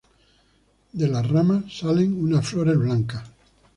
De las ramas salen unas flores blancas.